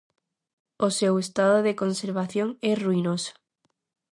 O seu estado de conservación é ruinoso.